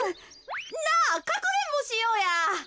なあかくれんぼしようや。